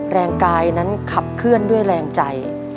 แรงกายนั้นขับเคลื่อนด้วยแรงใจ